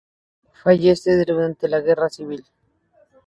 Fallece durante la Guerra Civil.